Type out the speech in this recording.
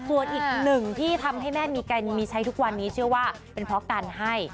ส่วนอีกหนึ่งที่ทำให้แม่มีใช้ทุกวันนี้เชื่อว่าเป็นเพราะการให้